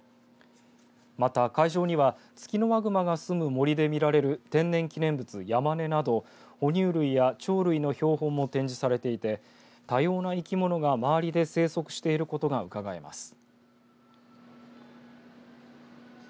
また会場にはツキノワグマが住む森で見られる天然記念物、ヤマネなど哺乳類や鳥類の標本も展示されていて多様な生き物が周りで生息していることがうかがえます。